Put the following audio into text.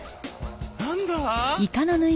何だ？